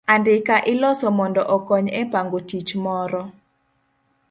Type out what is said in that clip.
Andika iloso mondo okony e pango tich moro.